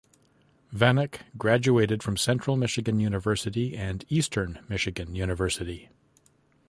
Vanek graduated from Central Michigan University and Eastern Michigan University.